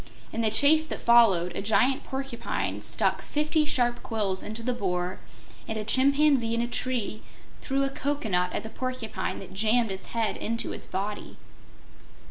In the chase that followed a giant porcupine stuck fifty sharp quills into the Boar and a chimpanzee in a tree threw a cocoanut at the porcupine that jammed its head into its body.